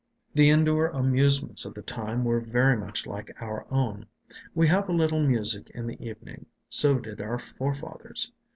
The indoor amusements of the time were very much like our own. We have a little music in the evening; so did our forefathers.